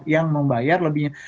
yang membayar lebihnya